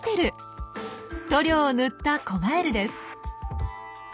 塗料を塗った子ガエルです。